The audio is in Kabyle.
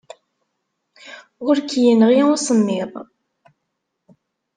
Ur k-yenɣi usemmiḍ.